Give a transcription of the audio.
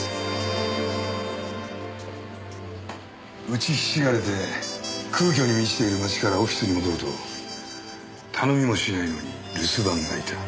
打ちひしがれて空虚に満ちている街からオフィスに戻ると頼みもしないのに留守番がいた。